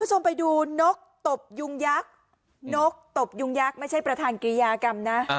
คุณผู้ชมไปดูนกตบยุงยักษ์นกตบยุงยักษ์ไม่ใช่ประธานกิยากรรมนะ